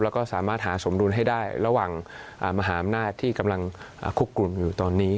แล้วก็สามารถหาสมดุลให้ได้ระหว่างมหาอำนาจที่กำลังคุกกลุ่มอยู่ตอนนี้